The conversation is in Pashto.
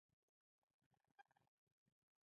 د استخباراتو رییس کشفي دنده لري